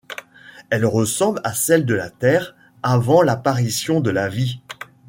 Elle ressemble à celle de la Terre avant l'apparition de la vie.